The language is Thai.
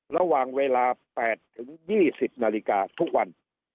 ระหว่างเวลา๘๒๐นาฬิกาทุกวัน